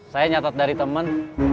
saya nyatet dari temen